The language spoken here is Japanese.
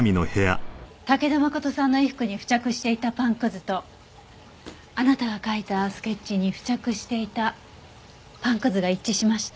武田誠さんの衣服に付着していたパンくずとあなたが描いたスケッチに付着していたパンくずが一致しました。